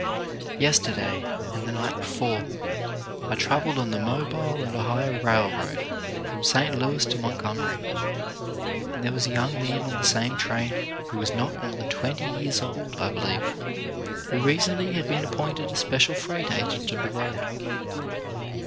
Yesterday, and the night before, I travelled on the Mobile and Ohio railroad from St. Louis to Montgomery, and there was a young man on the same train who was not more than twenty years old, I believe, who recently had been appointed a special freight agent of the road.